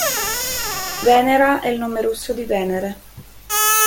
Venera è il nome russo di Venere.